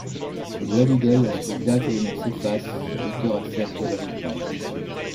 Au-delà du deuil, lorsque les dates et les noms s’effacent, l’auteur accepte l’héritage.